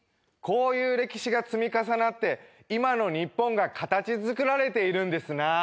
こういう歴史が積み重なって今の日本が形づくられているんですな。